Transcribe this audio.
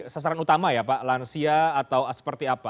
sasaran utama ya pak lansia atau seperti apa